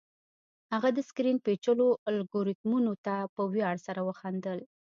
هغه د سکرین پیچلو الګوریتمونو ته په ویاړ سره وخندل